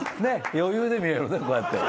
余裕で見れるこうやって。